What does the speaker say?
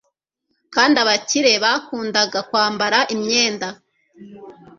kandi abakire bakundaga kwambara imyenda